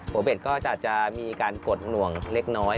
หัวเบทก็จะมีการกดหน่วงเล็กน้อย